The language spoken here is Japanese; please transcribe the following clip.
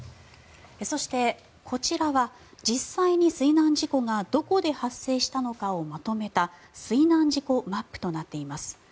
そしてこちらは実際に水難事故がどこで発生したのかをまとめた水難事故マップとなっています。